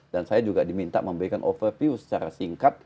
dan saya juga diminta memberikan overview secara singkat